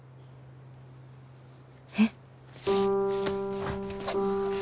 えっ！？